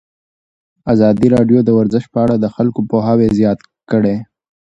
ازادي راډیو د ورزش په اړه د خلکو پوهاوی زیات کړی.